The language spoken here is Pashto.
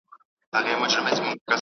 راپور وړاندې شوی و.